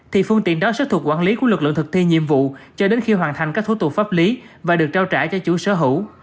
thì phương tiện đó sẽ thuộc quản lý của lực lượng thực thi nhiệm vụ cho đến khi hoàn thành các thủ tục pháp lý và được trao trả cho chủ sở hữu